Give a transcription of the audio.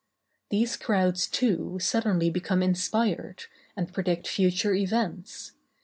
These crowds, too, suddenly become inspired, and predict future events.